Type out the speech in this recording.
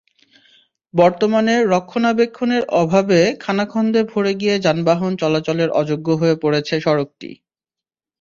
বর্তমানে রক্ষণাবেক্ষণের অভাবে খানাখন্দে ভরে গিয়ে যানবাহন চলাচলের অযোগ্য হয়ে পড়েছে সড়কটি।